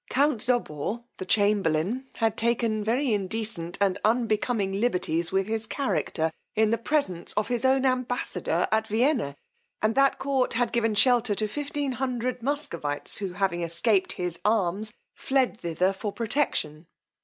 Count Zobor, the chamberlain, had taken very indecent and unbecoming liberties with his character, in the presence of his own Ambassador at Vienna; and that court had given shelter to 1500 Muscovites, who having escaped his arms, fled thither for protection.